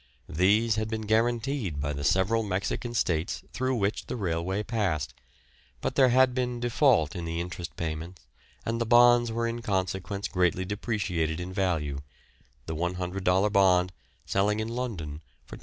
These had been guaranteed by the several Mexican States through which the railway passed, but there had been default in the interest payments, and the bonds were in consequence greatly depreciated in value, the $100 bond selling in London for $25.